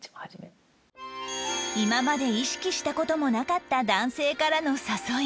今まで意識した事もなかった男性からの誘い